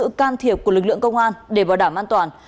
sự can thiệp của lực lượng công an để bảo đảm an toàn